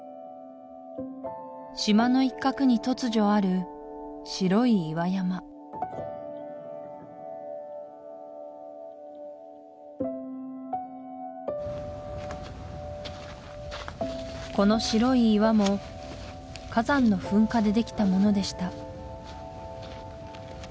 島の一角に突如ある白い岩山この白い岩も火山の噴火でできたものでした